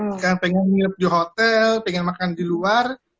ya mungkin berwisata pengen nginep di hotel pengen makan di luar